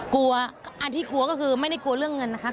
อันที่กลัวก็คือไม่ได้กลัวเรื่องเงินนะคะ